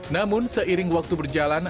namun seiring waktu berjalan